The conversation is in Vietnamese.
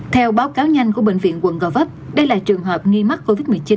theo báo cáo nhanh của bệnh viện quận gò vấp đây là trường hợp nghi mắc covid một mươi chín